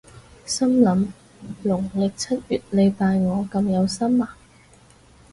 心諗農曆七月你拜我咁有心呀？